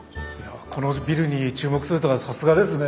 このビルに注目するとはさすがですね。